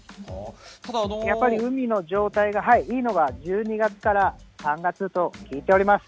やっぱり海の状態がいいのが１２月から３月と聞いております。